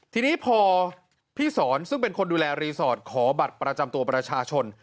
ทีนี้พอพี่สอนซึ่งเป็นคนดูแลรีสอร์ทขอบัตรประจำตัวประชาชน